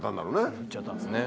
入っちゃったんですね。